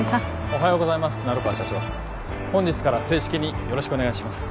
おはようございます成川社長本日から正式によろしくお願いします